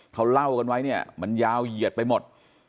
เขาเล่ากันไว้เนี่ยมันยาวเหยียดไปหมด